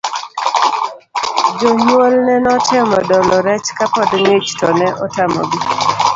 Jounyuolne notemo dolo rech kapod ng'ich to ne otamogi.